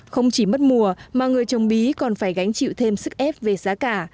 không chỉ mất mùa mà người trồng bí còn phải gánh chịu thêm sức ép về giá cả